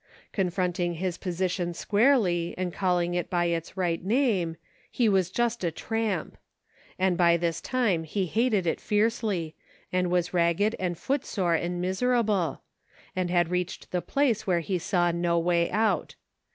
Confronting his position squarely, and calling it by its right name, he was just a tramp. And by this time he hated it fiercely, and was ragged and foot sore and miserable ; and had reached the place where he saw no way out.